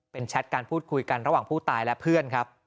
เป็นแชทการพูดคุยกันระหว่างผู้ตายและเพื่อนครับ